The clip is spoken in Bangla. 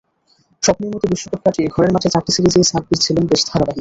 স্বপ্নের মতো বিশ্বকাপ কাটিয়ে ঘরের মাঠে চারটি সিরিজেই সাব্বির ছিলেন বেশ ধারাবাহিক।